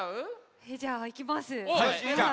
じゃあいきます。